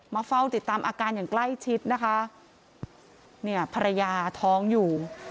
เฝ้าติดตามอาการอย่างใกล้ชิดนะคะเนี่ยภรรยาท้องอยู่